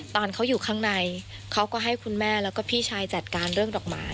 ตอนเขาอยู่ข้างในเขาก็ให้คุณแม่แล้วก็พี่ชายจัดการเรื่องดอกไม้